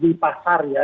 jadi di pasar ya